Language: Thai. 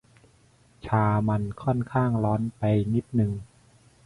ชามันค่อนข้างร้อนไปนิดนึง